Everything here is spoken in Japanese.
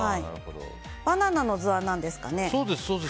バナナの図なんですかね。